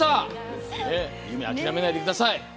夢、諦めないでください。